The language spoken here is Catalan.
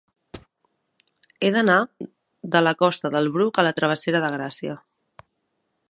He d'anar de la costa del Bruc a la travessera de Gràcia.